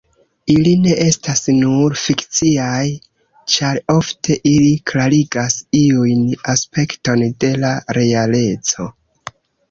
Ili ne estas nur fikciaj, ĉar ofte ili klarigas iun aspekton de la realeco.